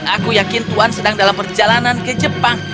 aku yakin tuan sedang dalam perjalanan ke jepang